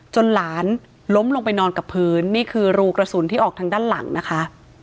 หลานล้มลงไปนอนกับพื้นนี่คือรูกระสุนที่ออกทางด้านหลังนะคะ